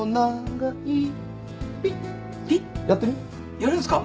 やるんすか？